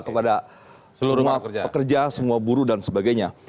kepada semua pekerja semua buruh dan sebagainya